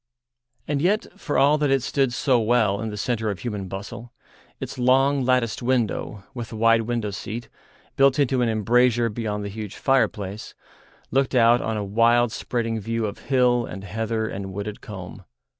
And yet, for all that it stood so well in the centre of human bustle, its long, latticed window, with the wide window seat, built into an embrasure beyond the huge fireplace, looked out on a wild spreading view of hill and heather and wooded combe.